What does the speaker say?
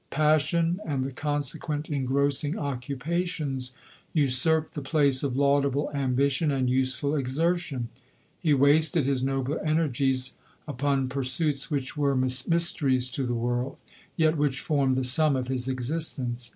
Pas sion, and the consequent engrossing occupations, usurped the place of laudable ambition and use ful exertion. He wasted his nobler energies 90 LODORl". upon pursuits which were mysteries to the world, yet which formed the sum of his exist ence.